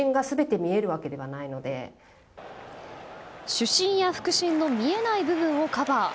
主審や副審の見えない部分をカバー。